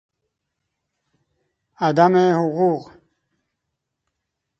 عدم حقوق